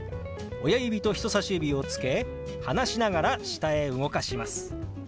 親指と人さし指をつけ離しながら下へ動かします。